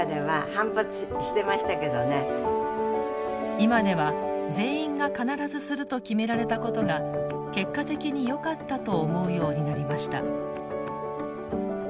今では「全員が必ずする」と決められたことが結果的によかったと思うようになりました。